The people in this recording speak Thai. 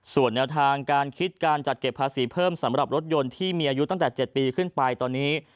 ส่วนแนวทางการคิดการจัดเก็บภาษีเพิ่มสำหรับรถยนต์ที่มีอายุตั้งแต่๗ปีขึ้นไปตอนนี้